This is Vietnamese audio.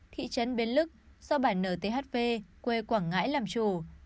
thị trấn bến lức do bản nthv quê quảng ngãi làm chủ